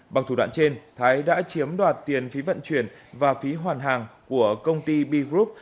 bằng thủ đoạn trên thái đã chiếm đoạt tiền phí vận chuyển và phí hoàn hàng của công ty b group